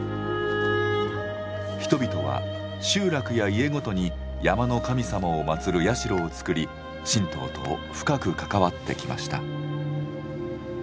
人々は集落や家ごとに山の神様を祀る社をつくり神道と深く関わってきました。